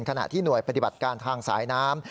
ขณะที่หน่วยปฏิบัติการทางสายน้ำ